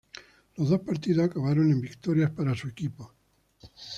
Los dos partidos acabaron en victorias para su equipo.